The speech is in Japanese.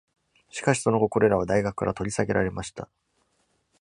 しかし、その後これらは大学から取り下げられました。